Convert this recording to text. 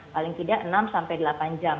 paling tidak enam sampai delapan jam